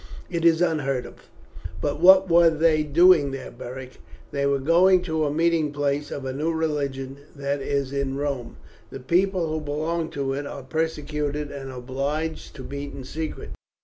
It is unheard of." "But what were they doing there, Beric?" "They were going to a meeting place of a new religion there is in Rome. The people who belong to it are persecuted and obliged to meet in secret.